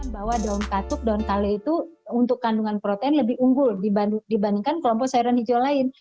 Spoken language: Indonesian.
bahwa daun katuk daun kale itu untuk kandungan protein lebih unggul dibandingkan kelompok sayuran hijau lain